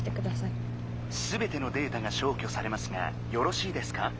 「すべてのデータがしょうきょされますがよろしいですか？」。